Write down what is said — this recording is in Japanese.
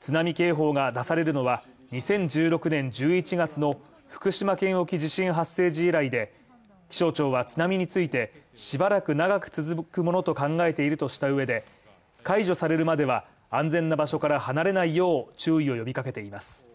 津波警報が出されるのは、２０１６年１１月の福島県沖地震発生時以来で気象庁は津波についてしばらく長く続くものと考えているとした上で解除されるまでは、安全な場所から離れないよう注意を呼びかけています。